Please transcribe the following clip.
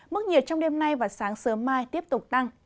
mức nhiệt trong đêm nay và sáng sớm mai tiếp tục tăng